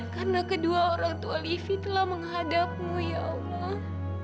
karena kedua orang tua livi telah menghadapmu ya allah